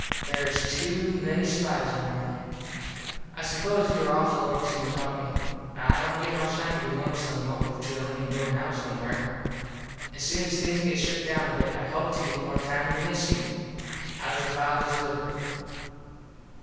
There is to many spize around. I suppose you are awful lonesome without me. I dont get much time to be lonesome what with drillin an goin out somewhere. As soon as things get shook down a bit I hope to get more time to miss you. Hows your fathers liver?